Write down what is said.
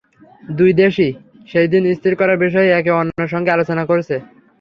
দুই দেশই সেই দিন স্থির করার বিষয়ে একে অন্যের সঙ্গে আলোচনা করছে।